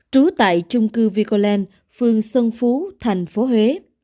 trú tại trung cư vicoland phường xuân phú thành phố huế